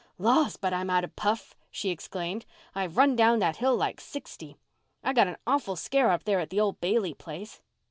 "Laws, but I'm out of puff," she exclaimed. "I've run down that hill like sixty. I got an awful scare up there at the old Bailey place."